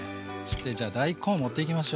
じゃあ大根を盛っていきましょう。